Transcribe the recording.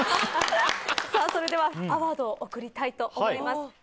さあそれではアワードを贈りたいと思います。